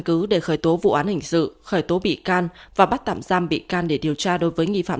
cứ để khởi tố vụ án hình sự khởi tố bị can và bắt tạm giam bị can để điều tra đối với nghi phạm